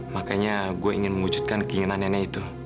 makanya gue ingin mewujudkan keinginan nenek itu